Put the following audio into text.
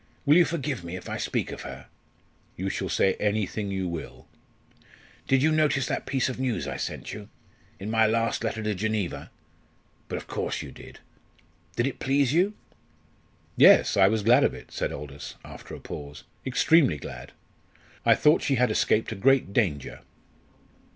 Will you forgive me if I speak of her?" "You shall say anything you will." "Did you notice that piece of news I sent you, in my last letter to Geneva? But of course you did. Did it please you?" "Yes, I was glad of it," said Aldous, after a pause, "extremely glad. I thought she had escaped a great danger."